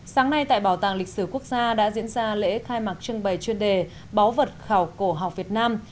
sáng nay tại bảo tàng lịch sử quốc gia đã diễn ra lễ khai mạc trưng bày chuyên đề báo vật khảo cổ học việt nam